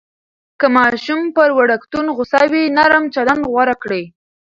که ماشوم پر وړکتون غوصه وي، نرم چلند غوره کړئ.